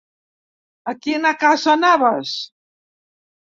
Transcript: A quina casa anaves?